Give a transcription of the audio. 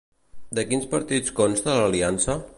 De quins partits consta l'aliança?